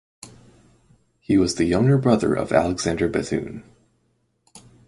He was the younger brother of Alexander Bethune.